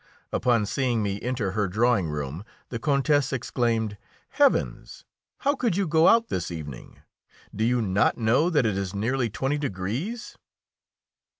Upon seeing me enter her drawing room, the Countess exclaimed: "Heavens! How could you go out this evening? Do you not know that it is nearly twenty degrees?"